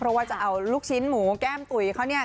เพราะว่าจะเอาลูกชิ้นหมูแก้มตุ๋ยเขาเนี่ย